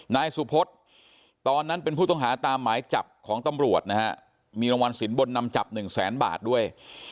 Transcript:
นายสุพศตอนนั้นเป็นผู้ต้องหาตามหมายจับของตำรวจนะฮะมีรางวัลสินบนนำจับหนึ่งแสนบาทด้วย